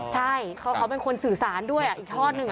ใช่เขาเป็นคนสื่อสารด้วยอีกทอดหนึ่ง